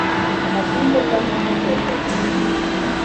El Jardín Botánico “Dr.